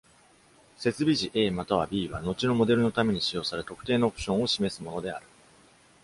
接尾辞「A」または「B」は後のモデルのために使用され、特定のオプションを示すものである。